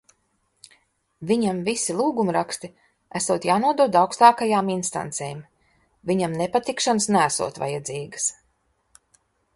Viņam visi "lūgumraksti" esot jānodod augstākajām instancēm. Viņam nepatikšanas neesot vajadzīgas.